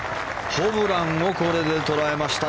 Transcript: ホブランをこれで捉えました。